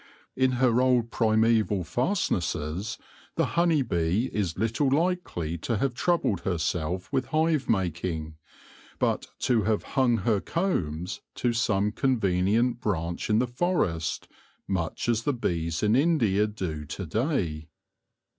In her old primaeval fastnesses the honey bee is little likely to have troubled herself with hive making, but to have hung her combs to some convenient branch in the forest, much as the bees in India do to day.